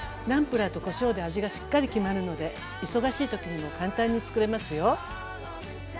ナムプラーとこしょうで味がしっかり決まるので忙しい時にも簡単につくれますよ。